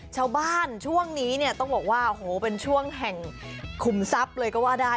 ช่วงนี้เนี่ยต้องบอกว่าโอ้โหเป็นช่วงแห่งขุมทรัพย์เลยก็ว่าได้